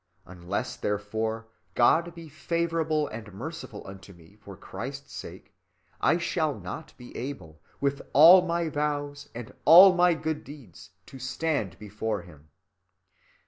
Unless, therefore, God be favorable and merciful unto me for Christ's sake, I shall not be able, with all my vows and all my good deeds, to stand before him.